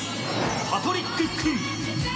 パトリック・クン。